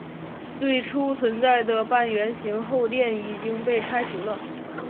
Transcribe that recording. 最初存在的半圆形后殿已经被拆除了。